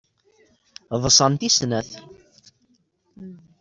Ḍsant i snat.